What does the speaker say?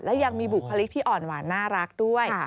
และยังมีบุคลิกที่อ่อนหวานน่ารักด้วย